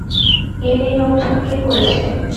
এর এই অবস্থা কে করেছে?